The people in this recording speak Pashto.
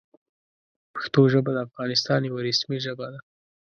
پښتو ژبه د افغانستان یوه رسمي ژبه ده.